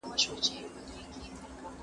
د ښځې ملکیت په کور کې محفوظ دی.